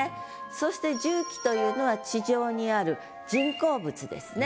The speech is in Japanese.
そして「重機」というのは地上にある人工物ですね。